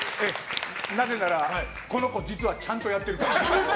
なぜなら、この子実はちゃんとやってるからです。